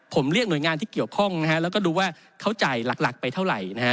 ผมเรียกหน่วยงานที่เกี่ยวข้องนะฮะแล้วก็ดูว่าเขาจ่ายหลักไปเท่าไหร่นะฮะ